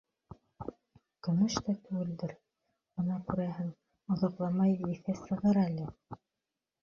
Көмөш тә түгелдер, бына күрерһең, оҙаҡламай еҙе сығыр әле.